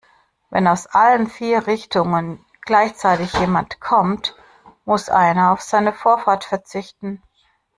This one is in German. Wenn aus allen vier Richtungen gleichzeitig jemand kommt, muss einer auf seine Vorfahrt verzichten.